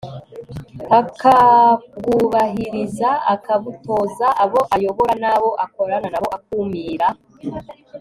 akabwubahiriza, akabutoza abo ayobora n'abo akorana na bo. akumira